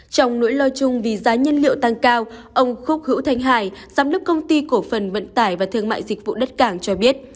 trong nỗi lo chung vì giá nhân liệu tăng cao ông khúc hữu thanh hải giám đốc công ty cổ phần vận tải và thương mại dịch vụ đất cảng cho biết